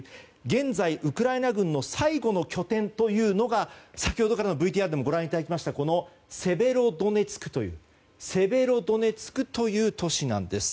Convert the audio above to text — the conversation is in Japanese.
現在、ウクライナ軍の最後の拠点というのが先ほどからのＶＴＲでもご覧いただきましたセベロドネツクという都市なんです。